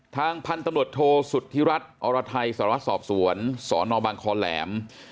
ทางพันธุ์ตำรวจโทสุธิรัฐอรไทยสารวัตรสอบสวนสนบางคอแหลม